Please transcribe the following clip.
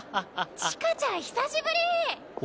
チカちゃん久しぶり！